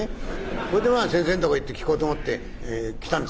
それでまあ先生んとこ行って聞こうと思って来たんですけどねぇ」。